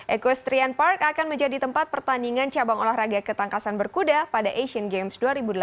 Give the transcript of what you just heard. equestrian park akan menjadi tempat pertandingan cabang olahraga ketangkasan berkuda pada asian games dua ribu delapan belas